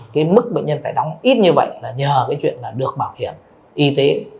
cái mức bệnh nhân phải đóng ít như vậy là nhờ cái chuyện là được bảo hiểm y tế